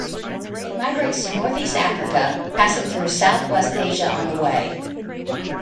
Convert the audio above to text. It migrates to Northeast Africa, passing through Southwest Asia on the way.